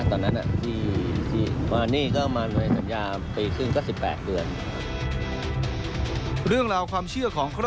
ตอนนั้นที่เจน